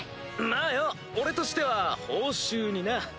まあよ俺としては報酬にな。